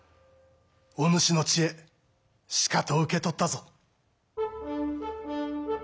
お主の知恵しかと受け取ったぞ。